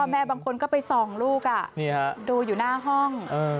แม่บางคนก็ไปส่องลูกดูอยู่หน้าห้อง